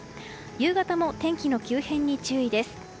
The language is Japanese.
夕方も天気の急変に注意です。